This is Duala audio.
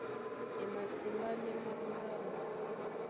E matimbánɛ́ mɔ́ ó ndáɓo.